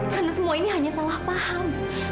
karena semua ini hanya salah paham